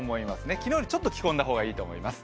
昨日よりちょっと着込んだ方がいいと思います。